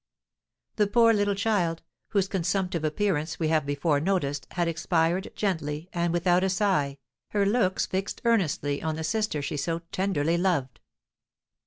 The poor little child, whose consumptive appearance we have before noticed, had expired gently, and without a sigh, her looks fixed earnestly on the sister she so tenderly loved.